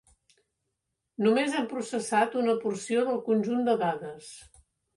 Només hem processat una porció del conjunt de dades.